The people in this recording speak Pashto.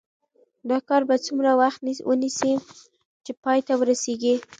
دا کار به څومره وخت ونیسي چې پای ته ورسیږي؟